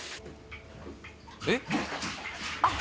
えっ？